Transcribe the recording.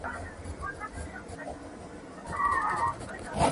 که یو ځلي ستا د سونډو په آبِ حیات اوبه سي